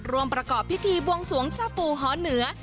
ประกอบพิธีบวงสวงเจ้าปู่หอเหนือ